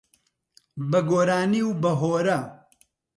بە گۆرانی و بە هۆرە